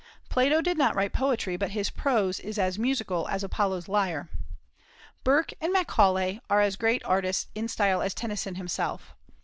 Plato did not write poetry, but his prose is as "musical as Apollo's lyre." Burke and Macaulay are as great artists in style as Tennyson himself.